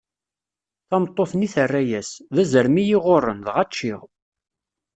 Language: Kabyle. Tameṭṭut-nni terra-as: D azrem i yi-iɣurren, dɣa ččiɣ.